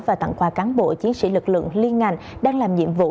và tặng quà cán bộ chiến sĩ lực lượng liên ngành đang làm nhiệm vụ